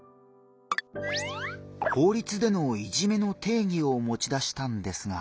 法律でのいじめの定義をもち出したんですが。